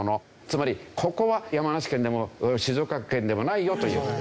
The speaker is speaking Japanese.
つまりここは山梨県でも静岡県でもないよという。